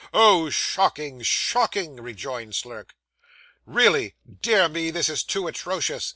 'Oh, shocking! shocking!' rejoined Slurk. 'Really! Dear me, this is too atrocious!